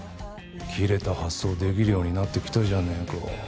キレた発想できるようになってきたじゃねえか。